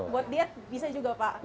buat diet bisa juga pak